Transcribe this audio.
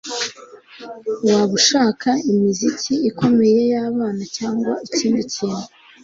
Waba ushaka imiziki ikomeye yabana cyangwa ikindi kintu